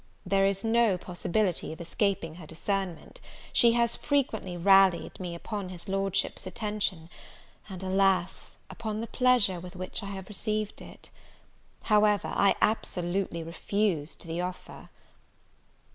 There is no possibility of escaping her discernment; she has frequently rallied me upon his Lordship's attention, and, alas! upon the pleasure with which I have received it! However, I absolutely refused the offer.